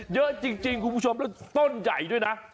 เยอะจริงคุณผู้ชมแล้วต้นใหญ่ด้วยนะ